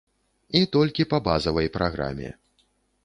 І толькі па базавай праграме.